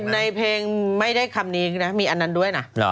ในเพลงไม่ได้คำนี้นะมีอันนั้นด้วยนะ